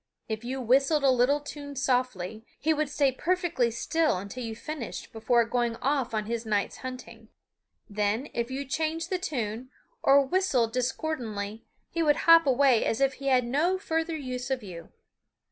If you whistled a little tune softly, he would stay perfectly still until you finished before going off on his night's hunting. Then, if you changed the tune, or whistled discordantly, he would hop away as if he had no further use for you.